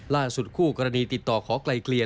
ล่าสุดคู่กรณีติดต่อขอกลายเคลียร์